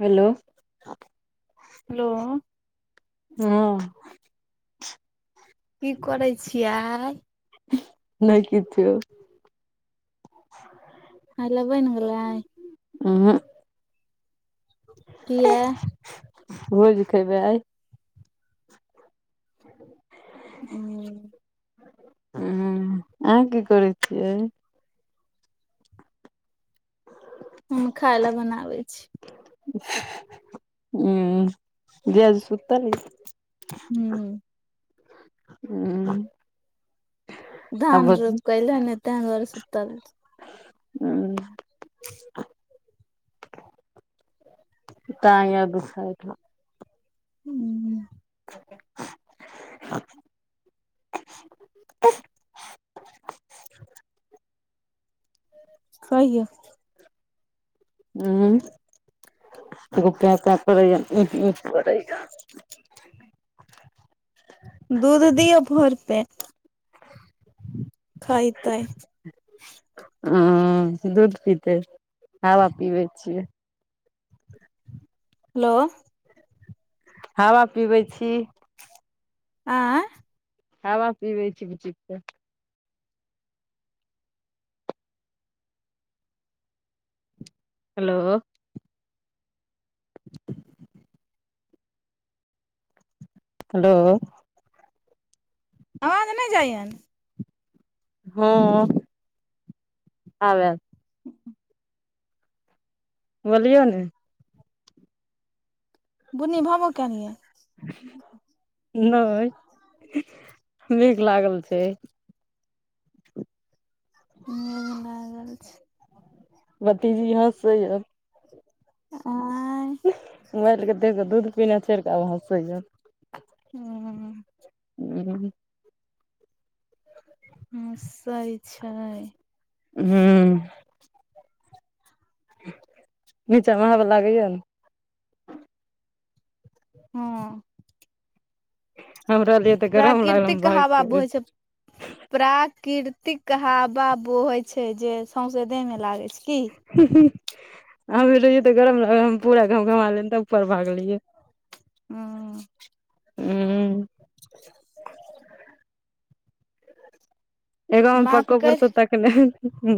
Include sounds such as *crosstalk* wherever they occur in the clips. Hello! Hello हँ। की करै छियै? नहि किछौ। अहा के बनि गेलै। उहूँ। किया रोज के उहै *unintelligible* हुं। हूँ, अहाँ की करै छियै? हम खाय लए बनाबै छी। हूँ जीजाजी सुतल अय? *inaudible* हूँ। धान रोपएले हे ने तेहि *unintelligible* दुआरे सुतल। उहूं ताय आओर दुखाए हेतै। *unintelligible* हूँ। *inaudible* कहियौ हूँ एगो केँ केँ करै या उह उह करैया। दूध दियौ भरि पेट। खायतेई। अँ दूध पीते हवा पीबै छियै। हेलो हावा पिबै छी। आँय। खावा पिबै छी बुचि के। हेलो। हेलो। अवाज नै जाइयन? ह्म्म आब एल। बोलियऔ ने? बुनिभबो केलियए। नहि मेघ लागल छै। मेघ लागल छै। भतीजी हसै य। आँय। मोबाइलके देख कऽ दूध पीना चढ़िकऽ आब हँसैय। हूँ। *inaudible* हसय छै। ह्म्म नीचामे हवा लागैय न। हाँ हम रहलियै तऽ गरम लागल हम प्राकृतिक भागि हवा के बहै छै। प्राकृतिक हवा बहै छै जे सौसे देह मे लागै छै कि? ही ही अहाँ मे रहियै तऽ गरम ला हम पूरा घम घमा ले तब। उपर भागलियै, हूँ उम्म। एगो हम बात पक्को कैर परसऽ ताकनै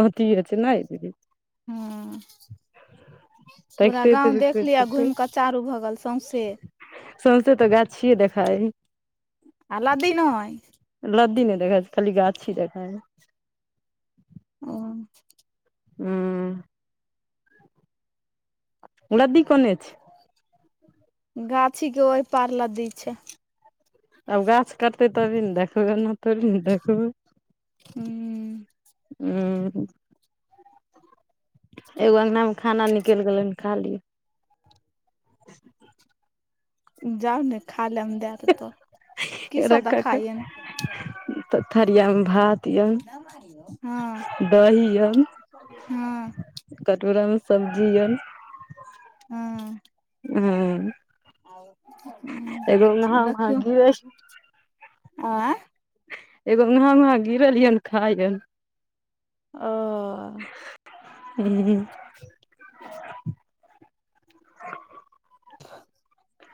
बाँकिए छै नहि? हां पूरा तकिते गाँव देख तकिते लिअ आ तकिते घुमिकऽ चारू भगल सौँसे। सौस्ते तऽ गाछि छियए देखाइ। आ लदी नहिय। लद्दी नहि देखै छै खाली गाछी देखाये छै। ओ। ह्म्म लदी कने छै? गाछी के ओहि पार लदी छै। आब गाछ कटतै तभी ने देखबै एना थोड़ी ने देखबै? हूँ। ह्म्म। एगो अंगना मे खाना निकलि गेले हन खा ली। *inaudible* जाहो ने खा लेमे दए देतौ की सब दऽ खामें? तऽ थरियामे भात यन हँ दही यन हँ कटोरा मे सब्जी य। हँ। ह एगो महा महा गेस्ट। आए। एगो उहा उहाँ गिरलिय ने खायऽ ओ। ई।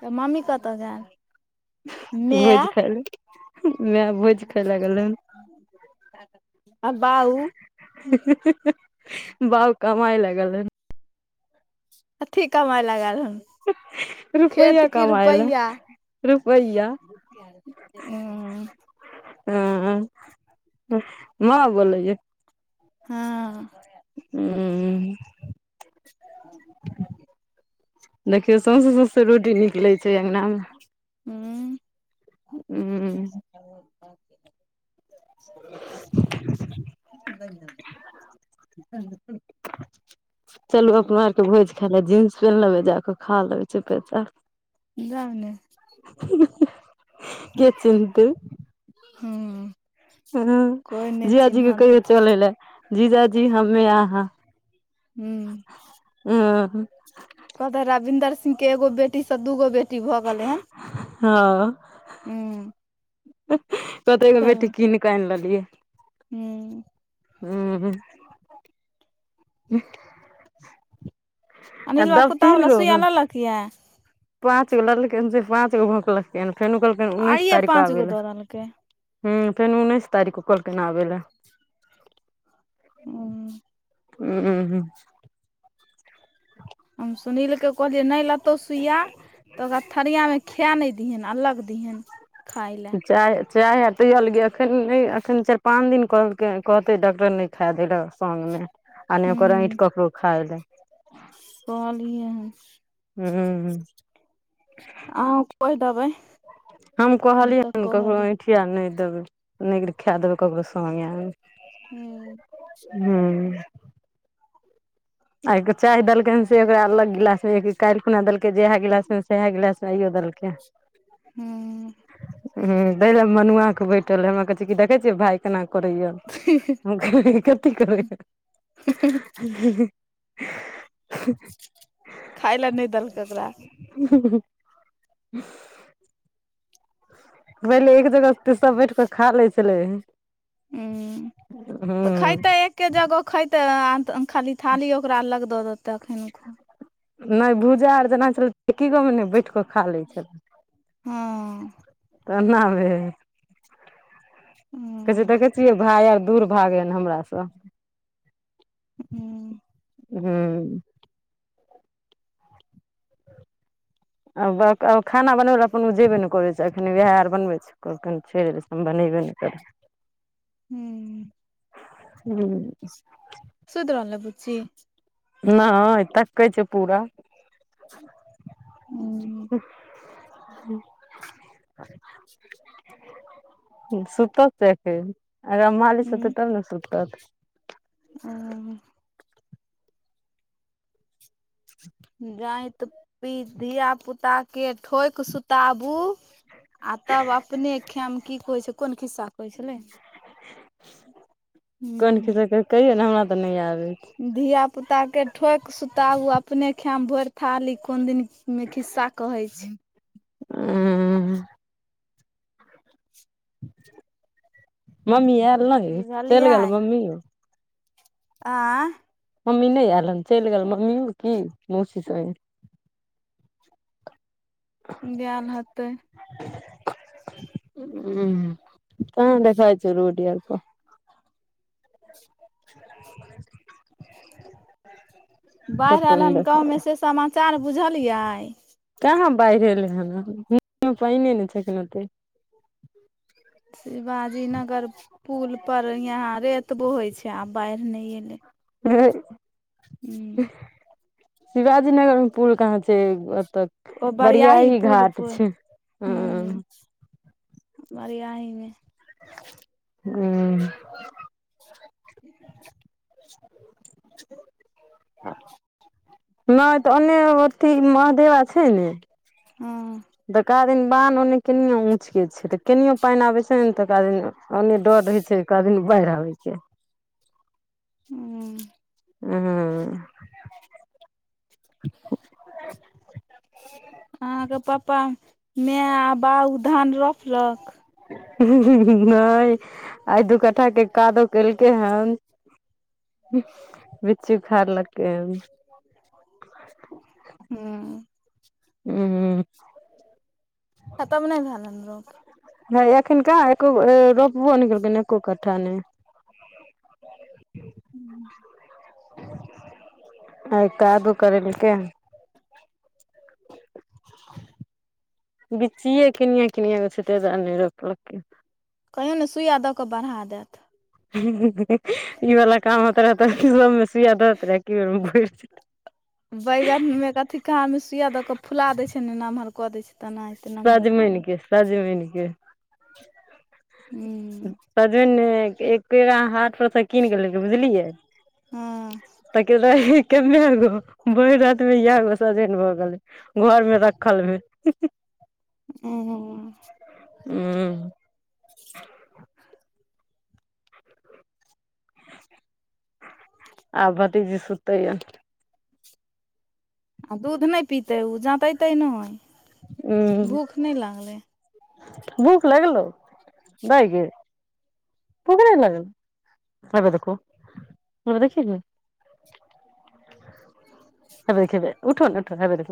तऽ मम्मी कतऽ गेलय? भोज खायलऽ माय। भोज खाय लागल हन आ बाऊ? बाऊ कमाय लऽ गेलैथ। कथी कमाइ लाऽ गेल हन? खेत रुपैया की कमाय ले रुपैआ? रुपैया ह हँ नऽ बोलैए। हँ। ह। देखियौ सौसे सौसे रोटी निकलै छै अङ्ंगना मे। ह्म। उंम्म *inaudible* *inaudible* चलू अपना आरके भोज खाय लेब जींस पेन्ह लेबै जा कऽ खा लेबै चुपे चाप। जाउ ने। के चिन्हते? हँ। ह जीजाजीे कहियौ ह चलै लए जीजाजी हमे आहाँ। हू। ह्म्म। कहते रविन्दर सिंह के एगो बेटी से दूगो बेटी भऽ गेलै हन। हँ। हू। कहतै एगो बेटी कीनिकऽ आनि लेलियै। हू। हू ह। आ दस तीन गो गऽ। किये? पाँच गो लेलखिन से पाँच गो भोकलखिन फेन ओ कहलकै उन्नैस आइये तारीख कऽ पाँच आबै गो लए। दऽ देलकै हूं फेरो उन्नैस तारीखक कहलकैन आबै लै। उं उं हूं हूं *unintelligible* हम सुनील के कहलियै नहि ले नइ लेतो सुूइया तऽ ओकरा थरिया में खाय नइ दीहेन अलग दिहेन खाय ले चाय चाय आर दियल गे एखन नइ एखन चारि पाँच दिन कहलकै कहतै डॉक्टर नहि खाए दैलै सङ्गमे आ नहि ओकर आॅंठि ककरो खाय लए। कहलि है। हूंं आब कहि देबै। हम कहलियै तऽ हन ककरो कहली अऐँठि आ नहि देबै नहि खाए देबै ककरो संगे आब। हूं हूं आइ त चाय देलकै हन से ओकरा अलग गिलास मे एक कालि खुना देलक के जेहे गिलास में सेहे गिलास में आइयो देलकै। हूं ह तै दुआरें मनुआ के बैठल है हमरा कहै छै कि देखै छियै भाय केना करैय हम कहलियै कथी करैय हे हे *unintelligible* खायले नहि देलकै एकरा। हू हू हू पहिले एक जगह पे त सब बैठ कऽ खा लै छलै। ऊं तऽ हूँ खायतै एक एके जगह खैतै आ खाली थाली ओकरा अलग दऽ देतै अखन नहि भूजा आर जेना छलै एकेगो में ने बैठ कऽ खा लै छलै। हँ त नइ कहै छै हूं देखै छियै भाय आर दूर भागैने हमरास। हूं। हूं। आ ओकरा खाना बनबले अपन ओ जेबे नै करै छै एखनि वएह आर बनबे छै। कखन छोड़ि हम बनैबे नहि करबै। हूं हूं। सुति रहलै बुच्ची? नहि तकैछौ पूरा। ऊं। *unintelligible* ई सुतत अखनि एकरा मालिश हेतै तब ना सुतत। ऊं ऊं ऊं। *unintelligible* रात्रि बी धिया पुता के ठोकि सुताबू आ तब अपने खैम की कहै छै कोन खिस्सा कहै छलै। कोन हूं खिसा कहै कहियौने हमरा तऽ नहि आबै छै। धिया पुता के ठोकि सुताउ अपने खायम भरि थाली कोन दनि मे खिस्सा कहै छी। उम्म मम्मी आयल रहे ने चलि बुझलियै गेल मम्मी? आँय मम्मी नहि हलन चलि गेल मम्मी ओ की मोसस होय। ब्याह हतै। उम्म *unintelligible* *inaudible* बाढ़ि कतौ आयल नहि हन त ओ में देखाइ से समाचार बुझलियै? कहाँ बाढ़ि एयलै हन पानि नहि छैन ओते *inaudible* शिवाजी नगर पुलपर यहाँ रे त बोहैत छै आब बाढ़ि नहि अयलै। *inaudible* शिवाजी नगर मे पुल कहाँ छै, ओतऽ बड़िया ही घाट छै। हँ ह्म्म *unintelligible* उम्म *inaudible* *inaudible* नहि तऽ ओन्ने अथी महादेव अछि ने? उम्म तऽक दिन बानह ओन्ने केनियो ऊँचके छै तऽ केनो पानि आबे छै ने तऽक दिन ओन्ने डर रहे छै *unintelligible* दमी बाढ़ि आबय के ह्म्म ह्म्म अहाँके पप्पा मै आ बउ धान रोपलक? नहि आइ दू कट्ठा के कादो केलकै हन। बिचची उखड़ लके हन। ह्म्म उम्म खताा *unintelligible* म ने भाल अरोप ह एखन कह एको अ रोपबो न केलखिन एको कट्ठा नहि। *inaudible* आइत आदू करीलके *unintelligible* *inaudible* बिचिए कनिय किनिय छै त नहि रपलक। कहियो ने सुइया दऽ कऽ बढ़ा देत। ई वाला काम होत रह तऽ सबमे सुइय दत रह क बेर भरि *unintelligible* बैगन मे अथी कहाँ मे सुूइया दऽ के फुला देय छै ने नमहर कऽ देै छै। तेनाहिते नमहर कऽ साजमिन देत के साजमनि के। हूँ सजन एक पेड़ हाथ परसँ कीन गेल बुझलियै। हँ त के कमे गो भोरि राति मे इएह गो सजन भऽ गेलै। घर मे रखल भेल। ओ हूँ आब भतीजी सुतैये। आ दूध नहि पितै ओ जँतेतै नहि। हं भूख नहि लागलै भूख लगलै दाय गे। पकड़े लागल हब देखू ह देखिय ने। *unintelligible* *unintelligible* हं उठो ने उठ,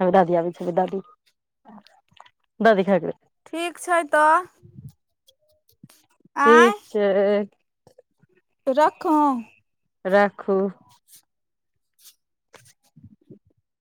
हुए दादी आबे छै दादी। दादी खाय देबै। ठीक छै तऽ। ठीक छै। रखूं। राखू। *unintelligible*